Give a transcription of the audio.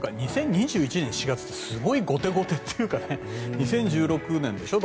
２０２１年４月ってすごい後手後手っていうか２０１６年でしょ。